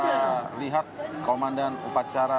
kita lihat komandan upacara